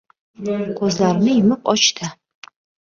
Ko‘zlarini yumib ochdi.